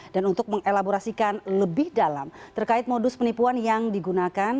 dan untuk mengelaborasikan lebih dalam terkait modus penipuan yang digunakan